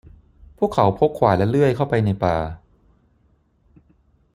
พวกเขาพกขวานและเลื่อยเข้าไปในป่า